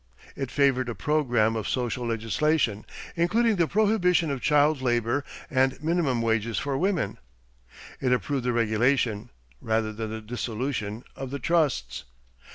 It favored a program of social legislation, including the prohibition of child labor and minimum wages for women. It approved the regulation, rather than the dissolution, of the trusts.